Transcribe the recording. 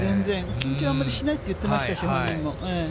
緊張はあんまりしないって言ってましたし、本人も。